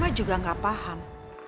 mama juga gak paham